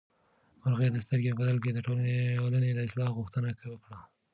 مرغۍ د سترګې په بدل کې د ټولنې د اصلاح غوښتنه وکړه.